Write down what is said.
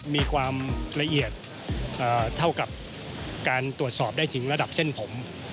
มีความละเอียดเท่ากับการตรวจสอบได้ถึงระดับเส้นผม